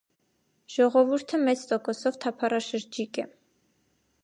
Ժողովուրդը մեծ տոկոսով թափառաշրջիկ է։